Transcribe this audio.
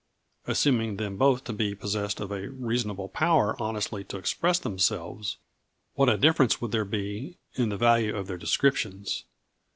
Assuming them both to be possessed of a reasonable power honestly to express themselves, what a difference would there be in the value of their descriptions.